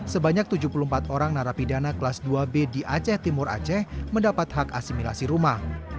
sebanyak tujuh puluh empat orang narapidana kelas dua b di aceh timur aceh mendapat hak asimilasi rumah